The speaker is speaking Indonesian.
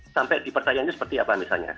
sampai dipertahankan seperti apa misalnya